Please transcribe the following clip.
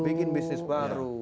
bikin bisnis baru